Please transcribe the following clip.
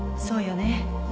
そうよね。